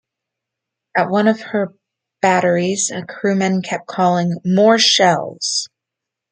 At one of her batteries, a crewman kept calling More shells!